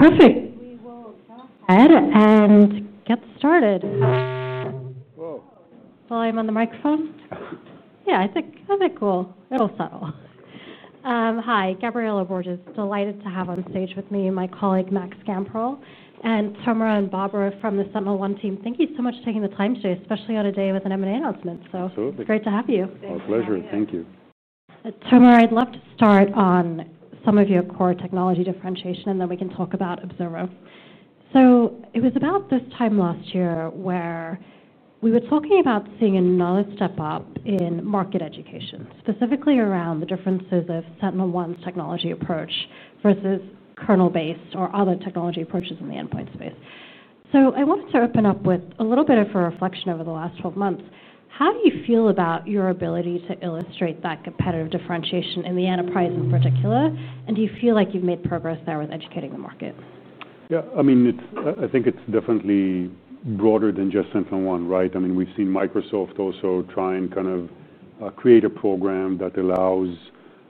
Okay, get started. Following on the microphone? Yeah, I think. Okay, cool. A little subtle. Hi, Gabriela Borges. Delighted to have on stage with me my colleague Max Gamperl and Tomer and Barbara from the SentinelOne team. Thank you so much for taking the time today, especially on a day with an M&A announcement. Great to have you. My pleasure. Thank you. Tomer, I'd love to start on some of your core technology differentiation, and then we can talk about Observa. It was about this time last year where we were talking about seeing another step up in market education, specifically around the differences of SentinelOne's technology approach versus kernel-based or other technology approaches in the endpoint space. I wanted to open up with a little bit of a reflection over the last 12 months. How do you feel about your ability to illustrate that competitive differentiation in the enterprise in particular? Do you feel like you've made progress there with educating the market? Yeah, I mean, I think it's definitely broader than just SentinelOne, right? I mean, we've seen Microsoft also try and kind of create a program that allows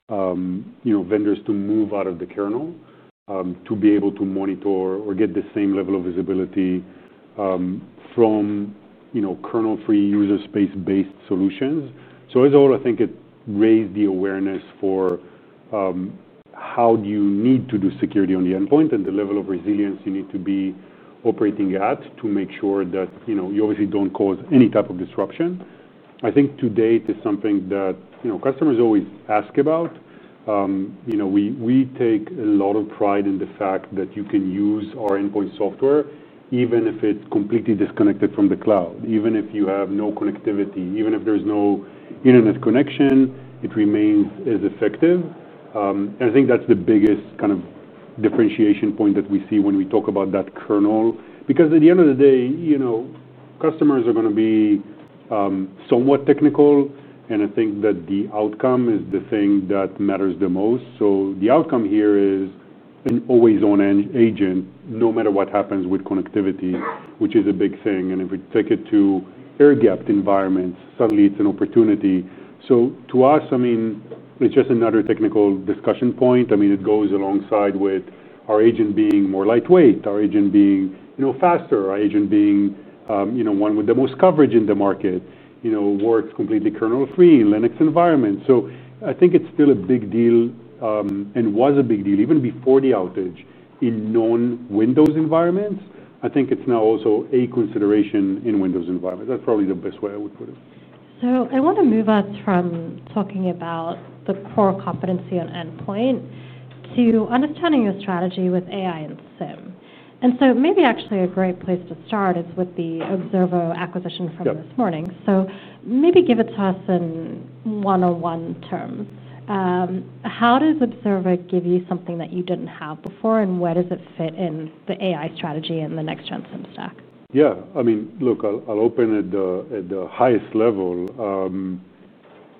vendors to move out of the kernel to be able to monitor or get the same level of visibility from kernel-free user space-based solutions. As a whole, I think it raised the awareness for how you need to do security on the endpoint and the level of resilience you need to be operating at to make sure that you obviously don't cause any type of disruption. I think today it is something that customers always ask about. We take a lot of pride in the fact that you can use our endpoint software even if it's completely disconnected from the cloud, even if you have no connectivity, even if there's no internet connection, it remains as effective. I think that's the biggest kind of differentiation point that we see when we talk about that kernel. Because at the end of the day, customers are going to be somewhat technical, and I think that the outcome is the thing that matters the most. The outcome here is an always-on agent no matter what happens with connectivity, which is a big thing. If we take it to air-gapped environments, suddenly it's an opportunity. To us, I mean, it's just another technical discussion point. It goes alongside with our agent being more lightweight, our agent being faster, our agent being one with the most coverage in the market, works completely kernel-free in Linux environments. I think it's still a big deal and was a big deal even before the outage in non-Windows environments. I think it's now also a consideration in Windows environments. That's probably the best way I would put it. I want to move us from talking about the core competency on endpoint to understanding your strategy with AI and SIEM. Maybe actually a great place to start is with the Observa acquisition from this morning. Maybe give it to us in one-on-one terms. How does Observa give you something that you didn't have before, and where does it fit in the AI strategy and the next-gen SIEM stack? Yeah, I mean, look, I'll open at the highest level.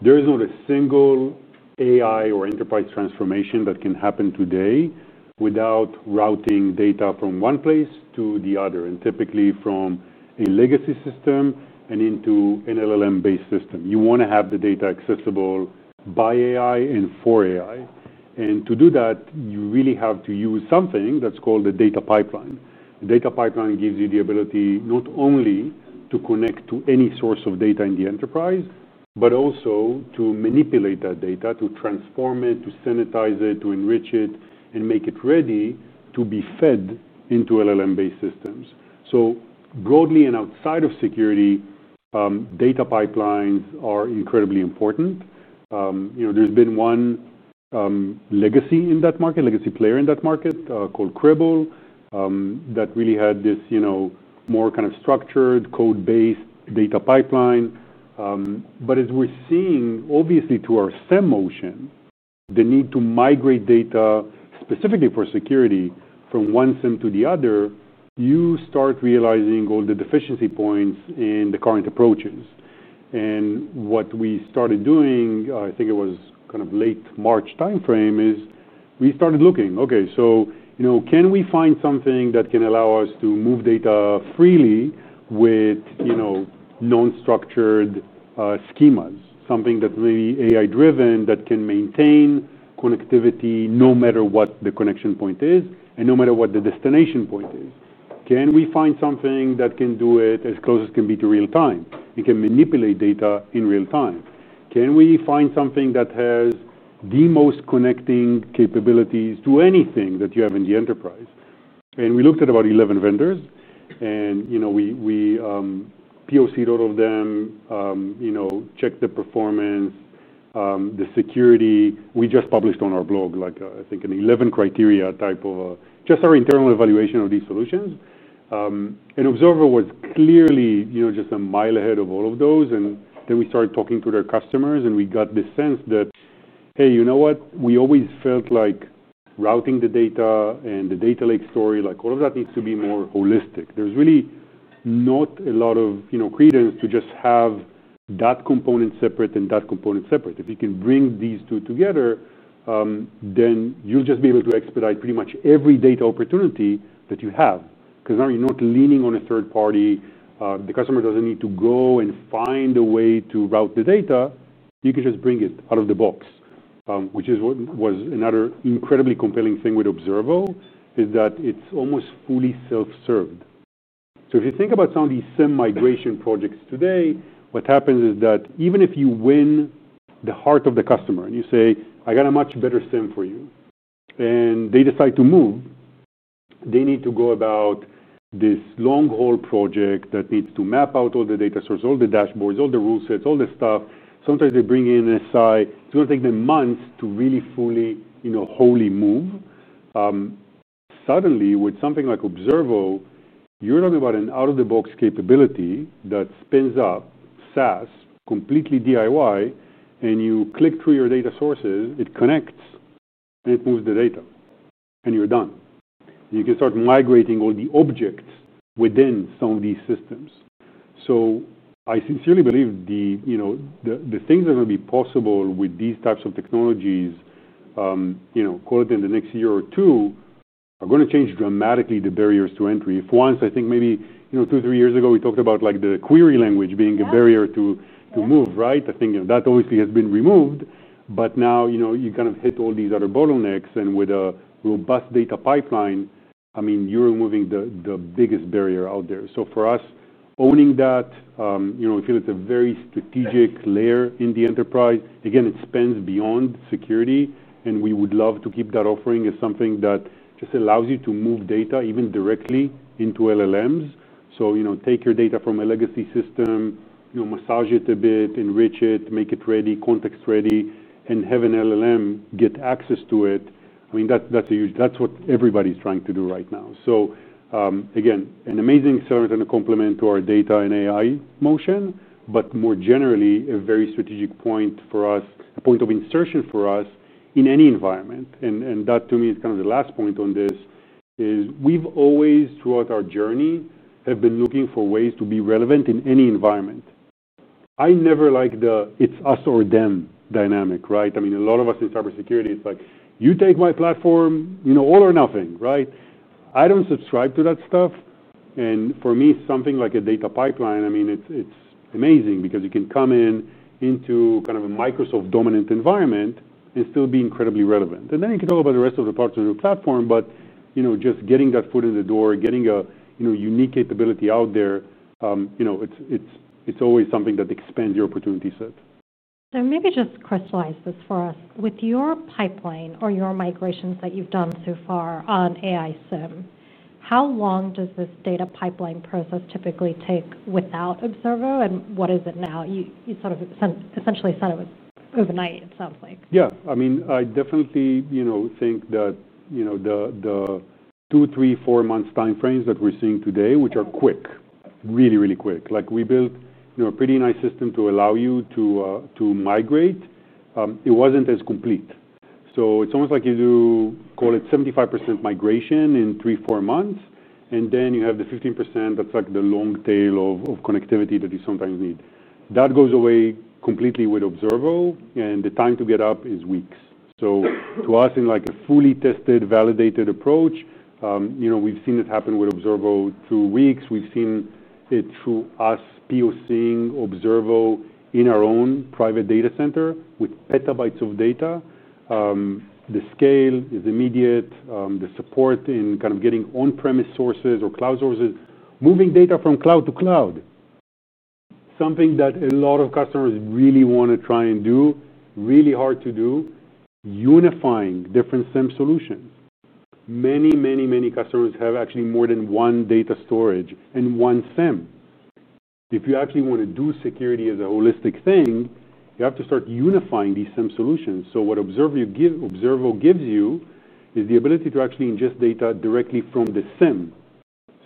There is not a single AI or enterprise transformation that can happen today without routing data from one place to the other, and typically from a legacy system and into an LLM-based system. You want to have the data accessible by AI and for AI. To do that, you really have to use something that's called the data pipeline. The data pipeline gives you the ability not only to connect to any source of data in the enterprise, but also to manipulate that data, to transform it, to sanitize it, to enrich it, and make it ready to be fed into LLM-based systems. Broadly and outside of security, data pipelines are incredibly important. There's been one legacy player in that market called Cribl that really had this more kind of structured code-based data pipeline. As we're seeing, obviously, through our SIEM motion, the need to migrate data specifically for security from one SIEM to the other, you start realizing all the deficiency points in the current approaches. What we started doing, I think it was kind of late March timeframe, is we started looking, okay, can we find something that can allow us to move data freely with non-structured schemas, something that's really AI-driven that can maintain connectivity no matter what the connection point is and no matter what the destination point is? Can we find something that can do it as close as can be to real time? It can manipulate data in real time. Can we find something that has the most connecting capabilities to anything that you have in the enterprise? We looked at about 11 vendors, and we POC'd all of them, checked the performance, the security. We just published on our blog, like, I think, an 11 criteria type of just our internal evaluation of these solutions. Observa was clearly just a mile ahead of all of those. We started talking to their customers, and we got the sense that, hey, you know what? We always felt like routing the data and the data lake story, like all of that needs to be more holistic. There's really not a lot of credence to just have that component separate and that component separate. If you can bring these two together, you'll just be able to expedite pretty much every data opportunity that you have because now you're not leaning on a third party. The customer doesn't need to go and find a way to route the data. You can just bring it out of the box, which was another incredibly compelling thing with Observa, is that it's almost fully self-served. If you think about some of these SIEM migration projects today, what happens is that even if you win the heart of the customer and you say, I got a much better SIEM for you, and they decide to move, they need to go about this long-haul project that needs to map out all the data sources, all the dashboards, all the rule sets, all this stuff. Sometimes they bring in a site. It's going to take them months to really fully wholly move. Suddenly, with something like Observa, you're talking about an out-of-the-box capability that spins up SaaS, completely DIY, and you click through your data sources, it connects, and it moves the data, and you're done. You can start migrating all the objects within some of these systems. I sincerely believe the things that are going to be possible with these types of technologies, call it in the next year or two, are going to change dramatically the barriers to entry. If once, I think maybe two or three years ago, we talked about the query language being a barrier to move, right? I think that obviously has been removed. Now you kind of hit all these other bottlenecks, and with a robust data pipeline, I mean, you're removing the biggest barrier out there. For us, owning that, we feel it's a very strategic layer in the enterprise. Again, it spans beyond security, and we would love to keep that offering as something that just allows you to move data even directly into LLMs. Take your data from a legacy system, massage it a bit, enrich it, make it ready, context-ready, and have an LLM get access to it. I mean, that's a huge, that's what everybody's trying to do right now. Again, an amazing service and a complement to our data and AI motion, but more generally, a very strategic point for us, point of insertion for us in any environment. That, to me, is kind of the last point on this, is we've always, throughout our journey, have been looking for ways to be relevant in any environment. I never like the it's us or them dynamic, right? I mean, a lot of us in cybersecurity, it's like, you take my platform, you know, all or nothing, right? I don't subscribe to that stuff. For me, something like a data pipeline, I mean, it's amazing because you can come in into kind of a Microsoft-dominant environment and still be incredibly relevant. You can talk about the rest of the parts of your platform, but just getting that foot in the door, getting a unique capability out there, it's always something that expands your opportunity set. Maybe just crystallize this for us. With your pipeline or your migrations that you've done so far on AI SIEM, how long does this data pipeline process typically take without Observa? What is it now? You sort of essentially said it was overnight, it sounds like. Yeah, I mean, I definitely think that the two, three, four months timeframes that we're seeing today, which are quick, really, really quick. We built a pretty nice system to allow you to migrate. It wasn't as complete. It's almost like you do, call it 75% migration in three, four months, and then you have the 15% that's like the long tail of connectivity that you sometimes need. That goes away completely with Observa, and the time to get up is weeks. To us, in a fully tested, validated approach, we've seen it happen with Observa through weeks. We've seen it through us POCing Observa in our own private data center with petabytes of data. The scale is immediate. The support in getting on-premise sources or cloud sources, moving data from cloud to cloud, something that a lot of customers really want to try and do, really hard to do, unifying different SIEM solutions. Many, many, many customers have actually more than one data storage and one SIEM. If you actually want to do security as a holistic thing, you have to start unifying these SIEM solutions. What Observa gives you is the ability to actually ingest data directly from the SIEM.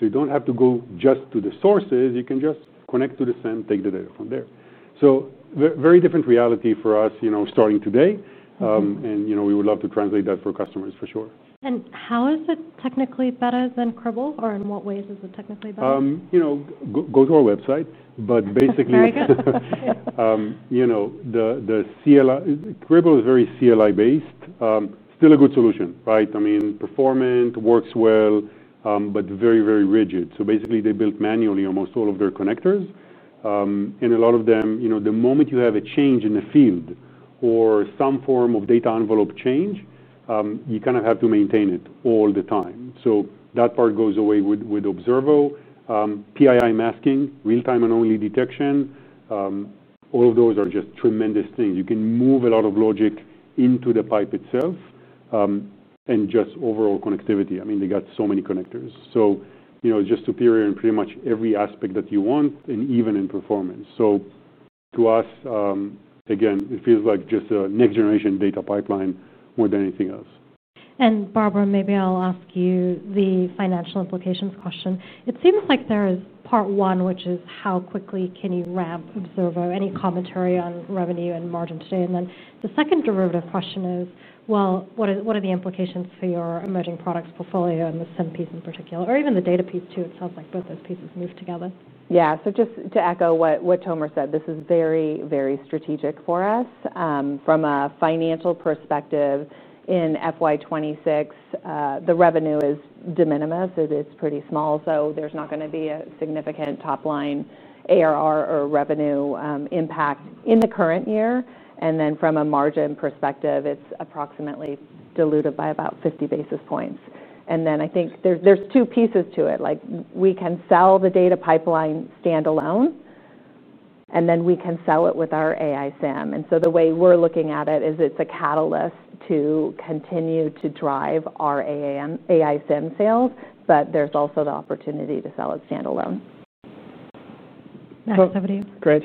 You don't have to go just to the sources. You can just connect to the SIEM, take the data from there. Very different reality for us starting today. We would love to translate that for customers for sure. How is it technically better than Cribl, or in what ways is it technically better? Go to our website. Basically, Cribl is very CLI-based. Still a good solution, right? I mean, performant, works well, but very, very rigid. They built manually almost all of their connectors, and a lot of them, the moment you have a change in the field or some form of data envelope change, you kind of have to maintain it all the time. That part goes away with Observa. PII masking, real-time and only detection, all of those are just tremendous things. You can move a lot of logic into the pipe itself and just overall connectivity. They got so many connectors, just superior in pretty much every aspect that you want and even in performance. To us, again, it feels like just a next-generation data pipeline more than anything else. Barbara, maybe I'll ask you the financial implications question. It seems like there is part one, which is how quickly can you ramp Observa. Any commentary on revenue and margin today? The second derivative question is, what are the implications for your emerging products portfolio and the SIEM piece in particular, or even the data piece too? It sounds like both those pieces move together. Yeah, just to echo what Tomer said, this is very, very strategic for us. From a financial perspective, in FY2026, the revenue is de minimis. It's pretty small, so there's not going to be a significant top-line ARR or revenue impact in the current year. From a margin perspective, it's approximately diluted by about 50 basis points. I think there's two pieces to it. We can sell the data pipeline standalone, and we can sell it with our AI SIEM. The way we're looking at it is it's a catalyst to continue to drive our AI SIEM sales, but there's also the opportunity to sell it standalone. Thanks, Evity. Great.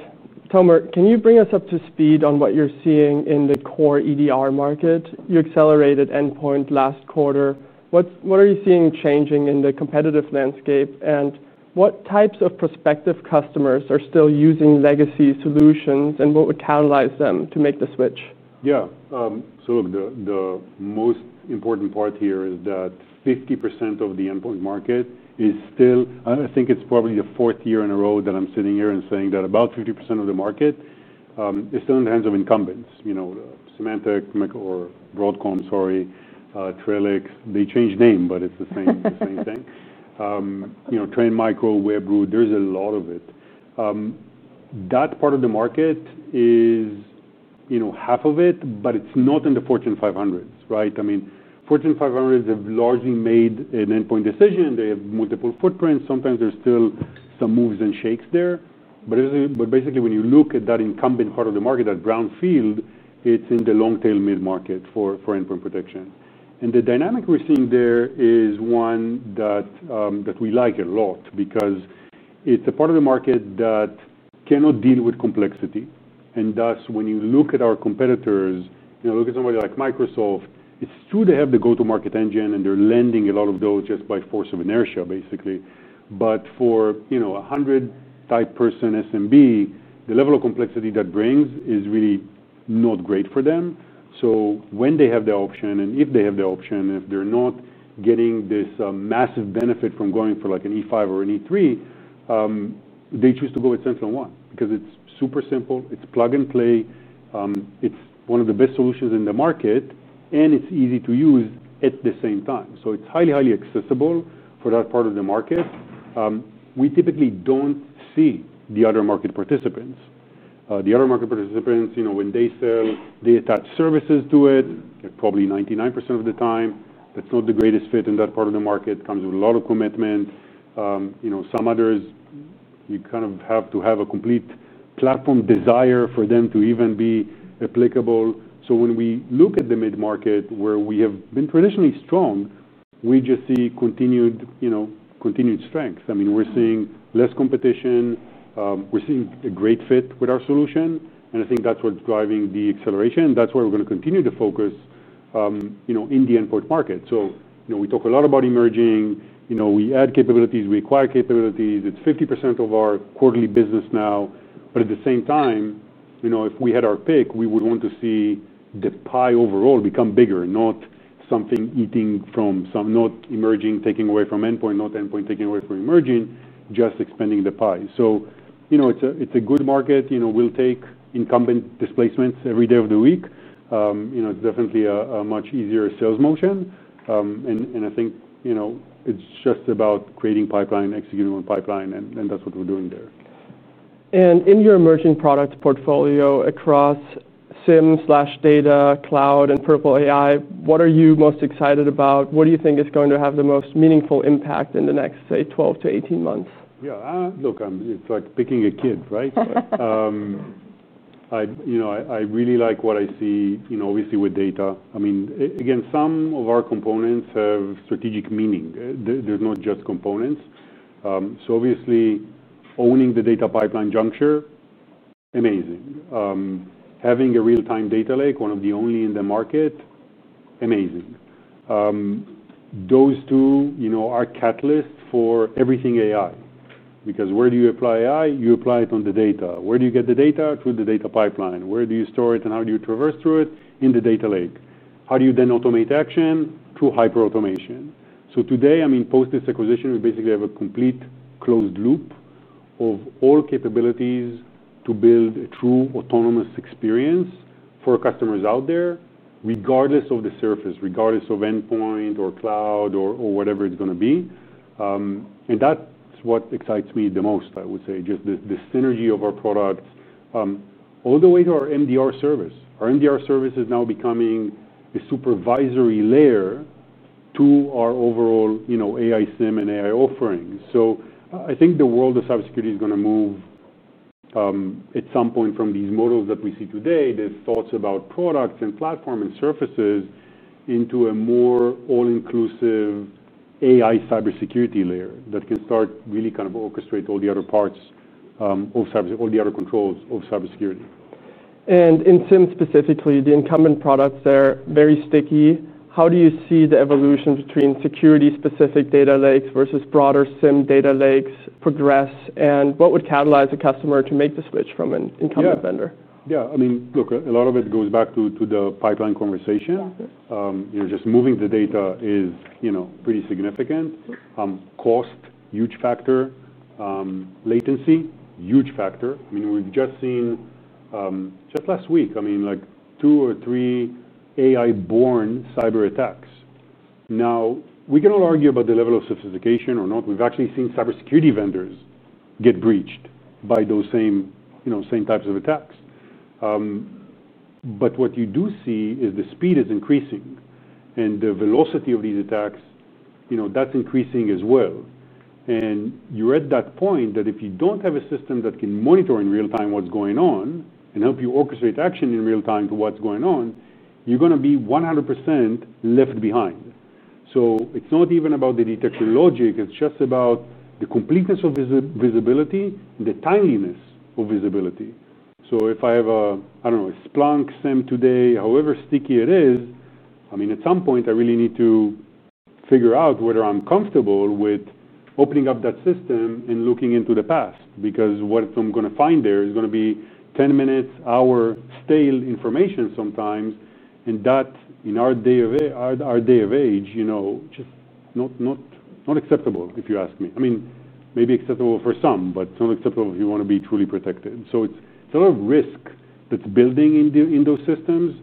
Tomer, can you bring us up to speed on what you're seeing in the core EDR market? You accelerated endpoint last quarter. What are you seeing changing in the competitive landscape? What types of prospective customers are still using legacy solutions, and what would catalyze them to make the switch? Yeah, so the most important part here is that 50% of the endpoint market is still, I think it's probably the fourth year in a row that I'm sitting here and saying that about 50% of the market is still in the hands of incumbents. Symantec or Broadcom, sorry, Trellix, they changed name, but it's the same thing. Trend Micro, Webroot, there's a lot of it. That part of the market is half of it, but it's not in the Fortune 500s, right? I mean, Fortune 500s have largely made an endpoint decision. They have multiple footprints. Sometimes there's still some moves and shakes there. Basically, when you look at that incumbent part of the market, that brown field, it's in the long-tail mid-market for endpoint protection. The dynamic we're seeing there is one that we like a lot because it's a part of the market that cannot deal with complexity. Thus, when you look at our competitors, you know, look at somebody like Microsoft, it's true they have the go-to-market engine and they're lending a lot of those just by force of inertia, basically. For a 100-type person SMB, the level of complexity that brings is really not great for them. When they have the option, and if they have the option, and if they're not getting this massive benefit from going for like an E5 or an E3, they choose to go with SentinelOne because it's super simple. It's plug and play. It's one of the best solutions in the market, and it's easy to use at the same time. It's highly, highly accessible for that part of the market. We typically don't see the other market participants. The other market participants, you know, when they sell, they attach services to it, like probably 99% of the time. That's not the greatest fit in that part of the market. It comes with a lot of commitment. Some others, you kind of have to have a complete platform desire for them to even be applicable. When we look at the mid-market where we have been traditionally strong, we just see continued strength. I mean, we're seeing less competition. We're seeing a great fit with our solution. I think that's what's driving the acceleration. That's why we're going to continue to focus in the endpoint market. We talk a lot about emerging. We add capabilities. We acquire capabilities. It's 50% of our quarterly business now. At the same time, if we had our pick, we would want to see the pie overall become bigger, not something eating from some, not emerging, taking away from endpoint, not endpoint taking away from emerging, just expanding the pie. It's a good market. We'll take incumbent displacements every day of the week. It's definitely a much easier sales motion. I think it's just about creating pipeline, executing on pipeline, and that's what we're doing there. In your emerging products portfolio across SIEM, data, cloud, and Purple AI, what are you most excited about? What do you think is going to have the most meaningful impact in the next, say, 12 to 18 months? Yeah, look, it's like picking a kid, right? I really like what I see, you know, obviously with data. I mean, again, some of our components have strategic meaning. They're not just components. Obviously, owning the data pipeline juncture, amazing. Having a real-time data lake, one of the only in the market, amazing. Those two are catalysts for everything AI. Because where do you apply AI? You apply it on the data. Where do you get the data? Through the data pipeline. Where do you store it and how do you traverse through it? In the data lake. How do you then automate action? Through hyperautomation. Today, I mean, post this acquisition, we basically have a complete closed loop of all capabilities to build a true autonomous experience for customers out there, regardless of the service, regardless of endpoint or cloud or whatever it's going to be. That's what excites me the most, I would say, just the synergy of our products all the way to our MDR service. Our MDR service is now becoming a supervisory layer to our overall AI SIEM and AI offering. I think the world of cybersecurity is going to move at some point from these models that we see today, the thoughts about products and platform and services, into a more all-inclusive AI cybersecurity layer that can start really kind of orchestrate all the other parts of cybersecurity, all the other controls of cybersecurity. In SIEM specifically, the incumbent products are very sticky. How do you see the evolution between security-specific data lakes versus broader SIEM data lakes progress? What would catalyze a customer to make the switch from an incumbent vendor? Yeah, I mean, look, a lot of it goes back to the pipeline conversation. You're just moving the data is pretty significant. Cost, huge factor. Latency, huge factor. I mean, we've just seen, just last week, like two or three AI-born cyber attacks. Now, we can all argue about the level of sophistication or not. We've actually seen cybersecurity vendors get breached by those same types of attacks. What you do see is the speed is increasing and the velocity of these attacks, you know, that's increasing as well. You're at that point that if you don't have a system that can monitor in real time what's going on and help you orchestrate action in real time to what's going on, you're going to be 100% left behind. It's not even about the detection logic. It's just about the completeness of visibility, the timeliness of visibility. If I have a, I don't know, a Splunk SIEM today, however sticky it is, at some point, I really need to figure out whether I'm comfortable with opening up that system and looking into the past because what I'm going to find there is going to be 10 minutes, hour, stale information sometimes. That, in our day of age, you know, just not acceptable if you ask me. Maybe acceptable for some, but it's not acceptable if you want to be truly protected. It's a lot of risk that's building in those systems.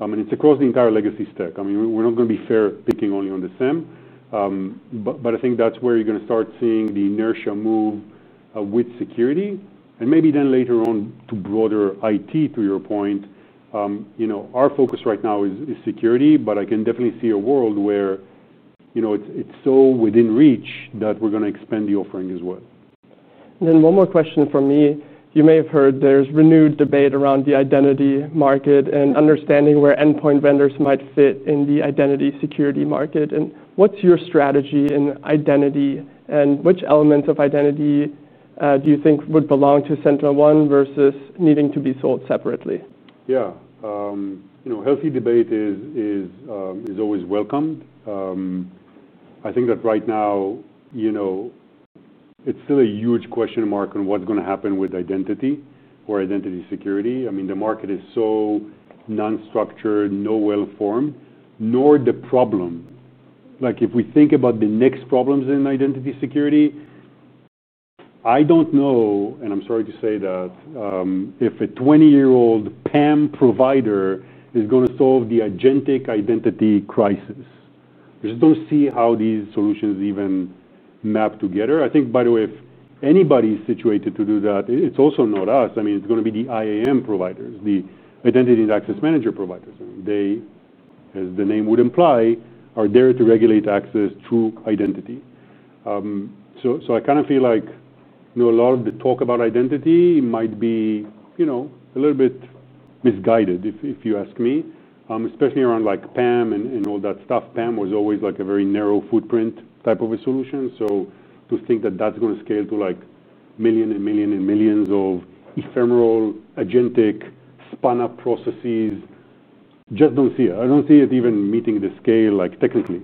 It's across the entire legacy stack. We're not going to be fair picking only on the SIEM, but I think that's where you're going to start seeing the inertia move with security. Maybe then later on to broader IT, to your point. Our focus right now is security, but I can definitely see a world where, you know, it's so within reach that we're going to expand the offering as well. You may have heard there's renewed debate around the identity market and understanding where endpoint vendors might fit in the identity security market. What's your strategy in identity? Which elements of identity do you think would belong to SentinelOne versus needing to be sold separately? Yeah, you know, healthy debate is always welcomed. I think that right now, it's still a huge question mark on what's going to happen with identity or identity security. I mean, the market is so non-structured, not well-formed, nor the problem. Like if we think about the next problems in identity security, I don't know, and I'm sorry to say that, if a 20-year-old PAM provider is going to solve the agentic identity crisis. I just don't see how these solutions even map together. By the way, if anybody's situated to do that, it's also not us. I mean, it's going to be the IAM providers, the Identity and Access Manager providers. They, as the name would imply, are there to regulate access through identity. I kind of feel like a lot of the talk about identity might be a little bit misguided, if you ask me, especially around like PAM and all that stuff. PAM was always like a very narrow footprint type of a solution. To think that that's going to scale to like million and million and millions of ephemeral agentic spun-up processes, just don't see it. I don't see it even meeting the scale technically.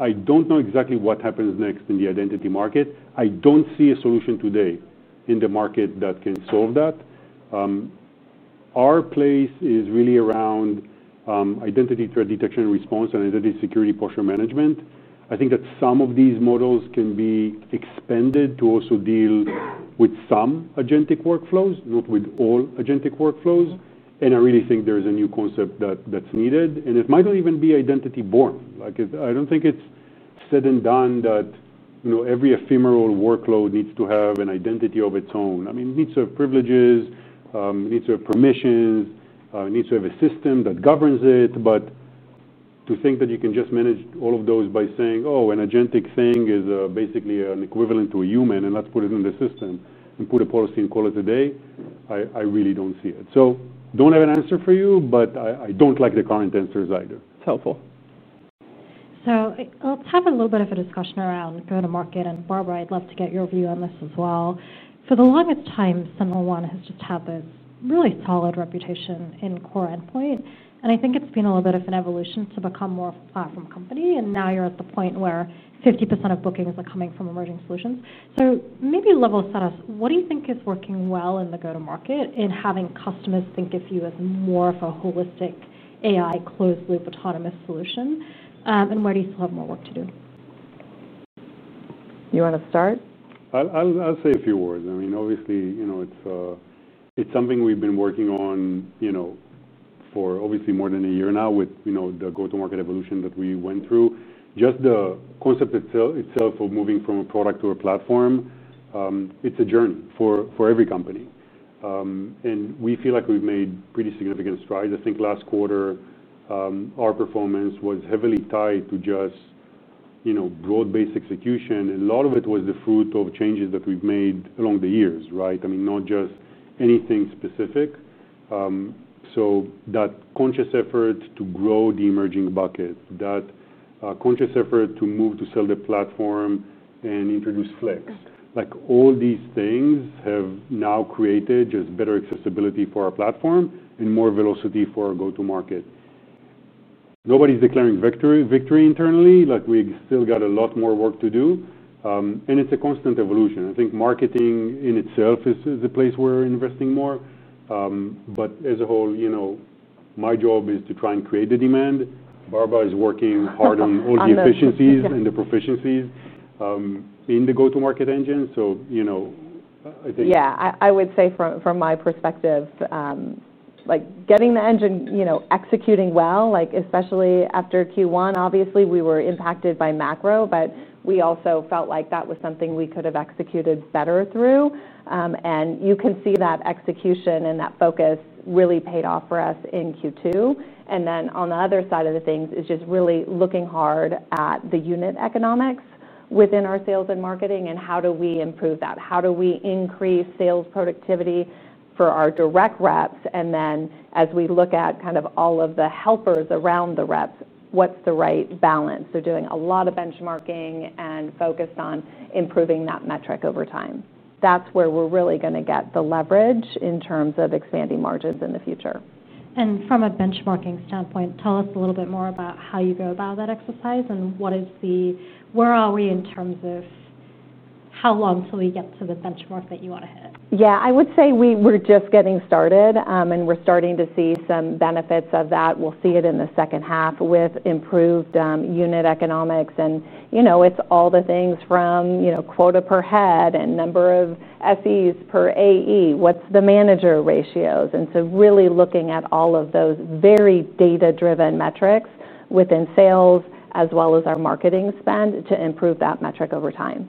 I don't know exactly what happens next in the identity market. I don't see a solution today in the market that can solve that. Our place is really around identity threat detection and response and identity security posture management. I think that some of these models can be expanded to also deal with some agentic workflows, not with all agentic workflows. I really think there's a new concept that's needed. It might not even be identity born. I don't think it's said and done that every ephemeral workload needs to have an identity of its own. I mean, it needs to have privileges, it needs to have permissions, it needs to have a system that governs it. To think that you can just manage all of those by saying, oh, an agentic thing is basically an equivalent to a human, and let's put it in the system and put a policy and call it a day, I really don't see it. I don't have an answer for you, but I don't like the current answers either. It's helpful. Let's have a little bit of a discussion around go-to-market. Barbara, I'd love to get your view on this as well. For the longest time, SentinelOne has just had this really solid reputation in core endpoint. I think it's been a little bit of an evolution to become more of a platform company. Now you're at the point where 50% of bookings are coming from emerging solutions. Maybe level set us. What do you think is working well in the go-to-market in having customers think of you as more of a holistic AI closed-loop autonomous solution? Where do you still have more work to do? You want to start? I'll say a few words. Obviously, it's something we've been working on for more than a year now with the go-to-market evolution that we went through. Just the concept itself of moving from a product to a platform, it's a journey for every company. We feel like we've made pretty significant strides. I think last quarter, our performance was heavily tied to broad-based execution. A lot of it was the fruit of changes that we've made along the years, right? Not just anything specific. That conscious effort to grow the emerging bucket, that conscious effort to move to sell the platform and introduce Flex, all these things have now created better accessibility for our platform and more velocity for our go-to-market. Nobody's declaring victory internally. We still got a lot more work to do. It's a constant evolution. I think marketing in itself is a place where we're investing more. As a whole, my job is to try and create the demand. Barbara is working hard on all the efficiencies and the proficiencies in the go-to-market engine. I think. Yeah, I would say from my perspective, like getting the engine, you know, executing well, like especially after Q1, obviously we were impacted by macro, but we also felt like that was something we could have executed better through. You can see that execution and that focus really paid off for us in Q2. On the other side of things, it's just really looking hard at the unit economics within our sales and marketing and how do we improve that. How do we increase sales productivity for our direct reps. As we look at kind of all of the helpers around the reps, what's the right balance. They're doing a lot of benchmarking and focused on improving that metric over time. That's where we're really going to get the leverage in terms of expanding margins in the future. From a benchmarking standpoint, tell us a little bit more about how you go about that exercise and where are we in terms of how long till we get to the benchmark that you want to hit. Yeah, I would say we're just getting started and we're starting to see some benefits of that. We'll see it in the second half with improved unit economics. It's all the things from quota per head and number of SEs per AE, what's the manager ratios? Really looking at all of those very data-driven metrics within sales as well as our marketing spend to improve that metric over time.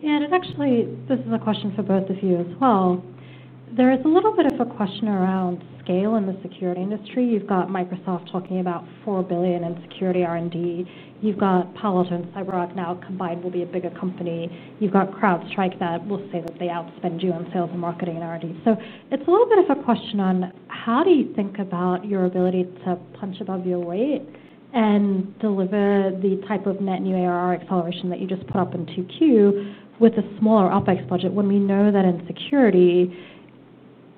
Yeah, and it's actually, this is a question for both of you as well. There is a little bit of a question around scale in the security industry. You've got Microsoft talking about $4 billion in security R&D. You've got Palo Alto Networks and CyberArk now combined will be a bigger company. You've got CrowdStrike that will say that they outspend you on sales and marketing and R&D. It's a little bit of a question on how do you think about your ability to punch above your weight and deliver the type of net new ARR acceleration that you just put up in 2Q with a smaller OpEx budget when we know that in security,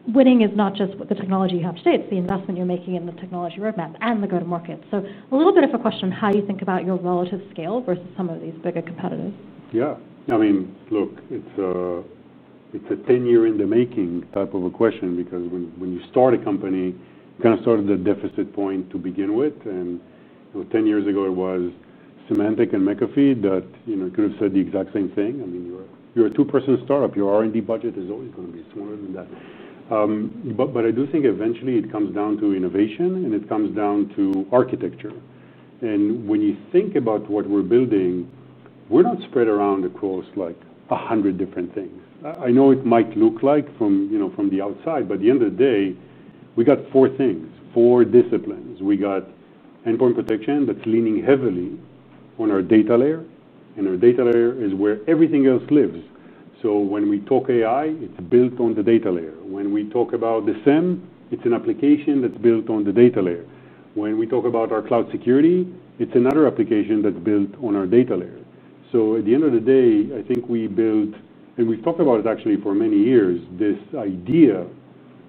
winning is not just what the technology you have today, it's the investment you're making in the technology roadmap and the go-to-market. A little bit of a question on how you think about your relative scale versus some of these bigger competitors. Yeah, I mean, look, it's a 10-year in the making type of a question because when you start a company, you kind of start at the deficit point to begin with. Ten years ago, it was Symantec and McAfee that could have said the exact same thing. I mean, you're a two-person startup. Your R&D budget is always going to be smaller than that. I do think eventually it comes down to innovation and it comes down to architecture. When you think about what we're building, we're not spread around across like 100 different things. I know it might look like that from the outside, but at the end of the day, we got four things, four disciplines. We got endpoint protection that's leaning heavily on our data layer, and our data layer is where everything else lives. When we talk AI, it's built on the data layer. When we talk about the SIEM, it's an application that's built on the data layer. When we talk about our cloud security, it's another application that's built on our data layer. At the end of the day, I think we built, and we've talked about it actually for many years, this idea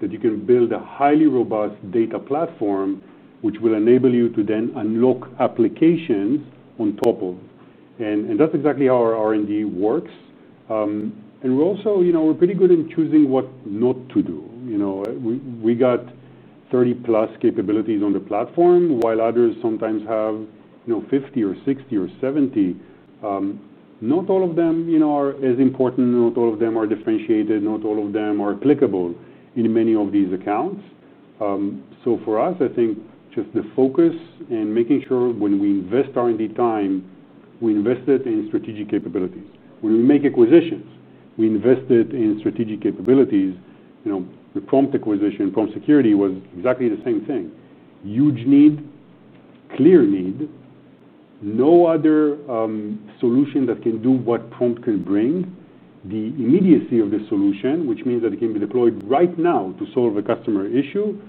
that you can build a highly robust data platform which will enable you to then unlock applications on top of. That's exactly how our R&D works. We're also, you know, we're pretty good in choosing what not to do. We got 30 plus capabilities on the platform while others sometimes have, you know, 50 or 60 or 70. Not all of them, you know, are as important. Not all of them are differentiated. Not all of them are applicable in many of these accounts. For us, I think just the focus and making sure when we invest R&D time, we invest it in strategic capabilities. When we make acquisitions, we invest it in strategic capabilities. The Prompt Security acquisition was exactly the same thing. Huge need, clear need, no other solution that can do what Prompt can bring. The immediacy of the solution, which means that it can be deployed right now to solve a customer issue,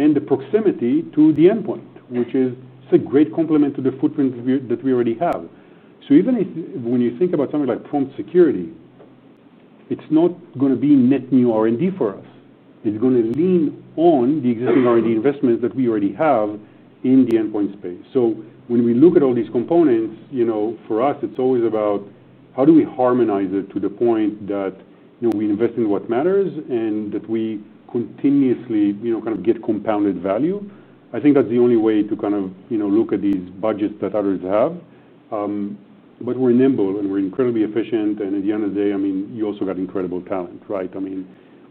and the proximity to the endpoint, which is a great complement to the footprint that we already have. Even when you think about something like Prompt Security, it's not going to be net new R&D for us. It's going to lean on the existing R&D investments that we already have in the endpoint space. When we look at all these components, for us, it's always about how do we harmonize it to the point that we invest in what matters and that we continuously kind of get compounded value. I think that's the only way to kind of look at these budgets that others have. We're nimble and we're incredibly efficient. At the end of the day, you also got incredible talent, right?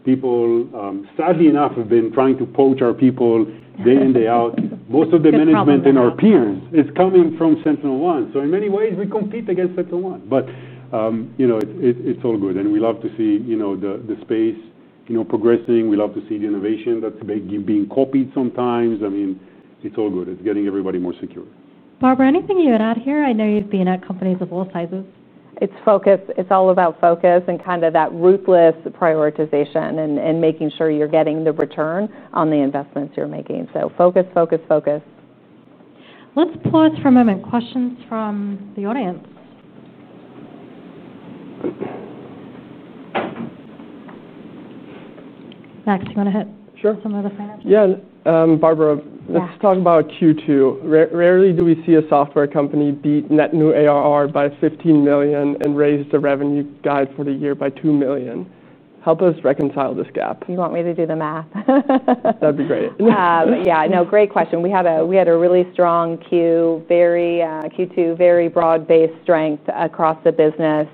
People, sadly enough, have been trying to poach our people day in, day out. Most of the management in our peer is coming from SentinelOne. In many ways, we compete against SentinelOne. It's all good. We love to see the space progressing. We love to see the innovation that's being copied sometimes. It's all good. It's getting everybody more secure. Barbara, anything you would add here? I know you've been at companies of all sizes. It's focus. It's all about focus and that ruthless prioritization, making sure you're getting the return on the investments you're making. Focus, focus, focus. Let's pause for a moment. Questions from the audience? Max, you want to hit some of the fans? Yeah, Barbara, let's talk about Q2. Rarely do we see a software company beat net new ARR by $15 million and raise the revenue guide for the year by $2 million. Help us reconcile this gap. You want me to do the math? That'd be great. Yeah, great question. We had a really strong Q2, very broad-based strength across the business.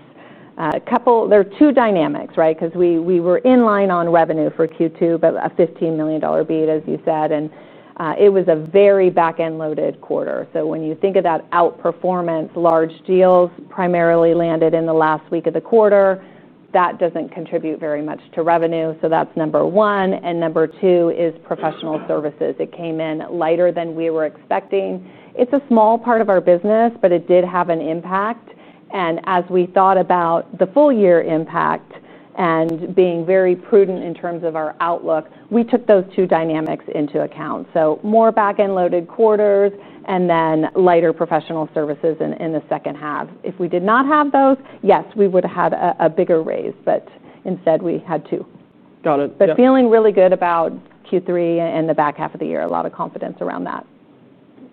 There are two dynamics, right? We were in line on revenue for Q2, but a $15 million beat, as you said. It was a very back-end loaded quarter. When you think of that outperformance, large deals primarily landed in the last week of the quarter, that doesn't contribute very much to revenue. That's number one. Number two is professional services. It came in lighter than we were expecting. It's a small part of our business, but it did have an impact. As we thought about the full year impact and being very prudent in terms of our outlook, we took those two dynamics into account. More back-end loaded quarters and then lighter professional services in the second half. If we did not have those, yes, we would have had a bigger raise, but instead we had two. Got it. Feeling really good about Q3 and the back half of the year, a lot of confidence around that.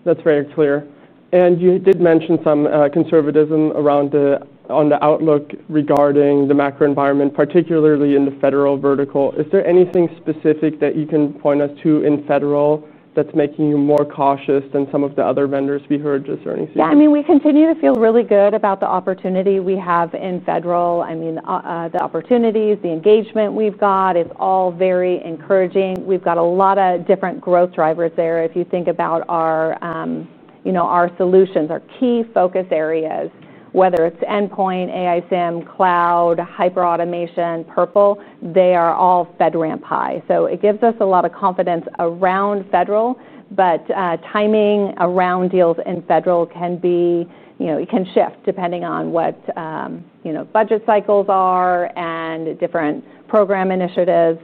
That's very clear. You did mention some conservatism around the outlook regarding the macro environment, particularly in the federal vertical. Is there anything specific that you can point us to in federal that's making you more cautious than some of the other vendors we heard? Is there anything? Yeah, I mean, we continue to feel really good about the opportunity we have in federal. I mean, the opportunities, the engagement we've got, it's all very encouraging. We've got a lot of different growth drivers there. If you think about our solutions, our key focus areas, whether it's endpoint, AI SIEM, cloud, hyperautomation, purple, they are all FedRAMP High. It gives us a lot of confidence around federal, but timing around deals in federal can shift depending on what budget cycles are and different program initiatives.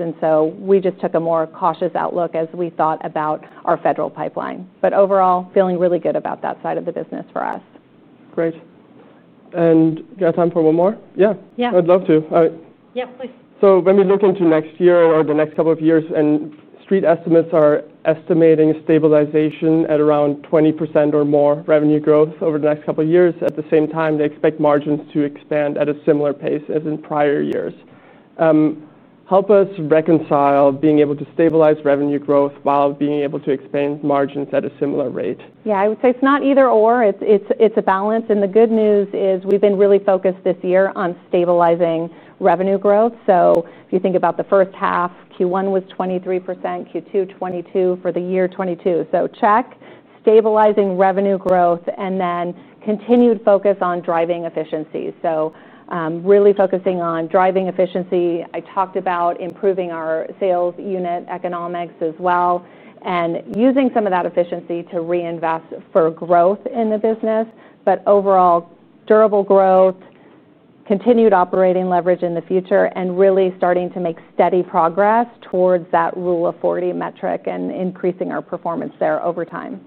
We just took a more cautious outlook as we thought about our federal pipeline. Overall, feeling really good about that side of the business for us. Great. Do you have time for one more? Yeah. Yeah. I'd love to. All right. Yeah, please. When we look into next year or the next couple of years, and street estimates are estimating stabilization at around 20% or more revenue growth over the next couple of years, at the same time, they expect margins to expand at a similar pace as in prior years. Help us reconcile being able to stabilize revenue growth while being able to expand margins at a similar rate. Yeah, I would say it's not either/or. It's a balance. The good news is we've been really focused this year on stabilizing revenue growth. If you think about the first half, Q1 was 23%, Q2 22%, for the year 22%. Check stabilizing revenue growth and then continued focus on driving efficiency. Really focusing on driving efficiency. I talked about improving our sales unit economics as well and using some of that efficiency to reinvest for growth in the business. Overall, durable growth, continued operating leverage in the future, and really starting to make steady progress towards that rule of 40 metric and increasing our performance there over time.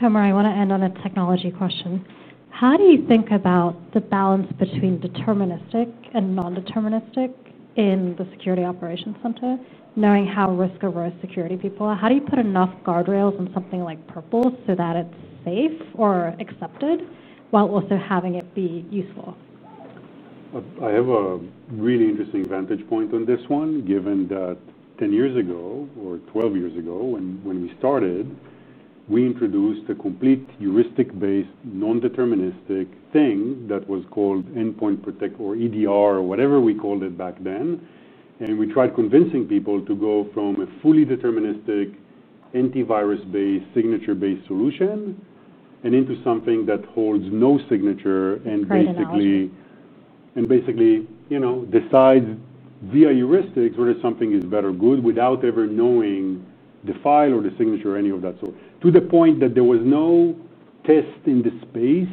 Tomer, I want to end on a technology question. How do you think about the balance between deterministic and non-deterministic in the security operations center, knowing how risk-averse security people are? How do you put enough guardrails on something like Purple AI Athena so that it's safe or accepted while also having it be useful? I have a really interesting vantage point on this one, given that 10 years ago or 12 years ago, when we started, we introduced a complete heuristic-based non-deterministic thing that was called endpoint protection or EDR or whatever we called it back then. We tried convincing people to go from a fully deterministic, antivirus-based, signature-based solution and into something that holds no signature and basically, you know, decides via heuristics whether something is better or good without ever knowing the file or the signature or any of that sort. To the point that there was no test in the space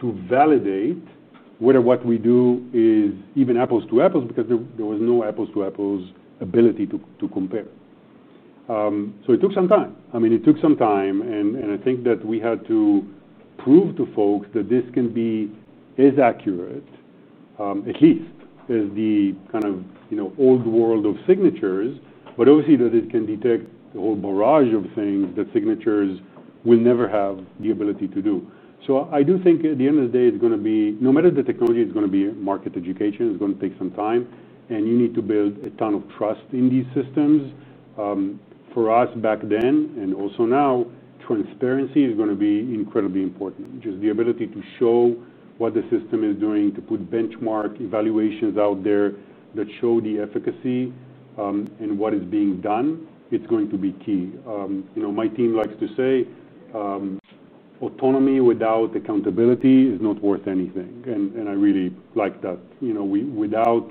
to validate whether what we do is even apples to apples because there was no apples to apples ability to compare. It took some time. I mean, it took some time. I think that we had to prove to folks that this can be as accurate, at least as the kind of, you know, old world of signatures, but obviously that it can detect the whole barrage of things that signatures will never have the ability to do. I do think at the end of the day, it's going to be, no matter the technology, it's going to be market education. It's going to take some time. You need to build a ton of trust in these systems. For us back then, and also now, transparency is going to be incredibly important. Just the ability to show what the system is doing, to put benchmark evaluations out there that show the efficacy in what is being done, it's going to be key. You know, my team likes to say autonomy without accountability is not worth anything. I really like that. Without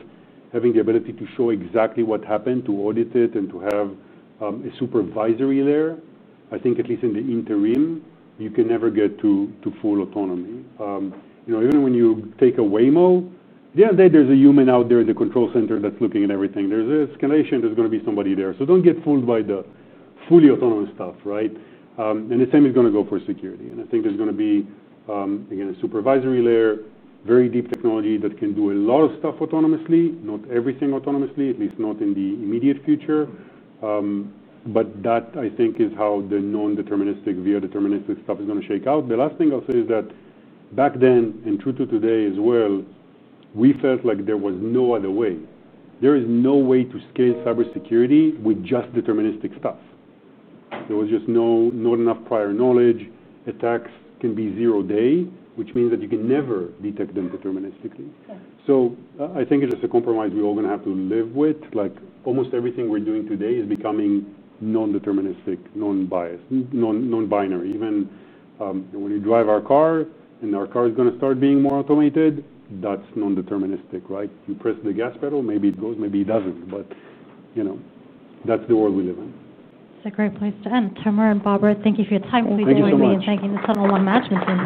having the ability to show exactly what happened, to audit it, and to have a supervisory layer, I think at least in the interim, you can never get to full autonomy. Even when you take a Waymo, at the end of the day, there's a human out there in the control center that's looking at everything. There's an escalation; there's going to be somebody there. Do not get fooled by the fully autonomous stuff, right? The same is going to go for security. I think there's going to be, again, a supervisory layer, very deep technology that can do a lot of stuff autonomously, not everything autonomously, at least not in the immediate future. That, I think, is how the non-deterministic, via deterministic stuff is going to shake out. The last thing I'll say is that back then, and true to today as well, we felt like there was no other way. There is no way to scale cybersecurity with just deterministic stuff. There was just not enough prior knowledge. Attacks can be zero-day, which means that you can never detect them deterministically. I think it's just a compromise we're all going to have to live with. Like almost everything we're doing today is becoming non-deterministic, non-biased, non-binary. Even when we drive our car and our car is going to start being more automated, that's non-deterministic, right? You press the gas pedal, maybe it goes, maybe it doesn't. You know, that's the world we live in. It's a great place to end. Tomer and Barbara, thank you for your time. Please join me in thanking the SentinelOne management team.